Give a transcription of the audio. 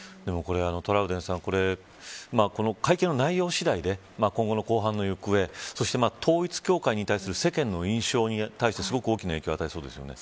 トラウデンさん会見の内容次第で今後の公判の行方、そして統一教会に対する世間の印象に対してすごく大きな印象を与えそうですよね。